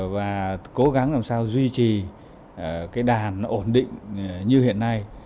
và cố gắng làm sao duy trì cái đàn ổn định như hiện nay